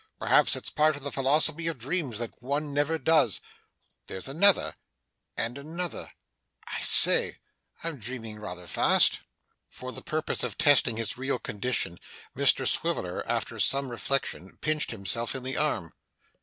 Perhaps it's part of the philosophy of dreams that one never does. There's another and another I say! I'm dreaming rather fast!' For the purpose of testing his real condition, Mr Swiveller, after some reflection, pinched himself in the arm.